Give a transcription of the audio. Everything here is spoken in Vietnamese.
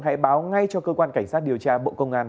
hãy báo ngay cho cơ quan cảnh sát điều tra bộ công an